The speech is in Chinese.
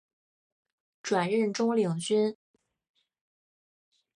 转任中领军。